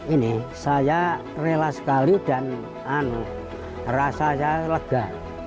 ini saya rela sekali dan rasanya lega